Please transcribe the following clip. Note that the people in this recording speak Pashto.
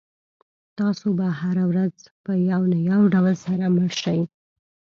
تاسو به هره ورځ په یو نه یو ډول سره مړ شئ.